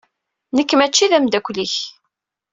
Nekk mačči d ameddakel-ik.